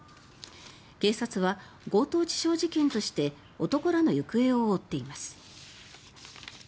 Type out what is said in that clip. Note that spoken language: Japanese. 警察は強盗致傷事件として男らの行方を追っています。